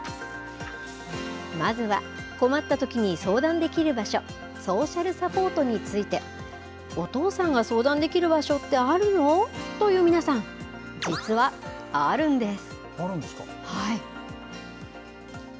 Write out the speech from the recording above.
まずは、困ったときに相談できる場所、ソーシャルサポートについて、お父さんが相談できる場所ってあるの？という皆さん、実はああるんですか？